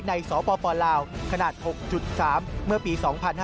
สปลาวขนาด๖๓เมื่อปี๒๕๕๙